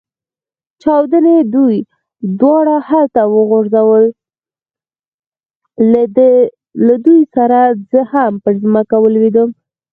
چاودنې دوی دواړه هلته وغورځول، له دوی سره زه هم پر مځکه ولوېدم.